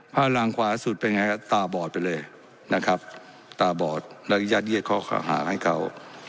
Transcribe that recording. ภาพลางขวาสุดเป็นไงตาบอดไปเลยนะครับตาบอดแล้วก็ยัดเย็ดข้อข้างหากให้เขา